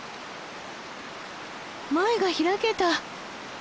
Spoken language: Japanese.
前が開けた。